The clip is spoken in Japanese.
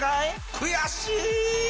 悔しい！